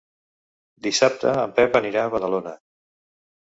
Dissabte en Pep anirà a Badalona.